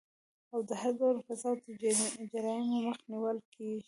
او د هر ډول فساد او جرايمو مخه نيول کيږي